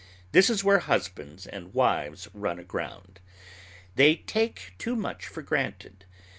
This is where husbands and wives run aground. They take too much for granted.